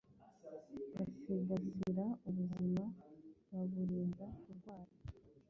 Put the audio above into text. basigasira ubuzima baburinda kurwara